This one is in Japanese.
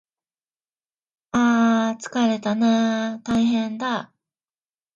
ああああつかれたなああああたいへんだ